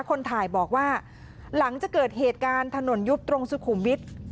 คนถ่ายบอกว่าหลังจากเกิดเหตุการณ์ถนนยุบตรงสุขุมวิทย์